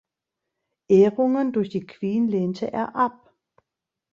Ehrungen durch die Queen lehnte er ab.